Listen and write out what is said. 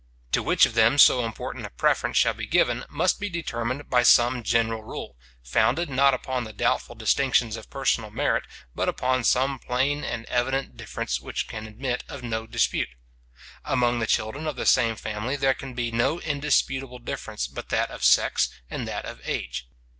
To which of them so important a preference shall be given, must be determined by some general rule, founded not upon the doubtful distinctions of personal merit, but upon some plain and evident difference which can admit of no dispute. Among the children of the same family there can be no indisputable difference but that of sex, and that of age.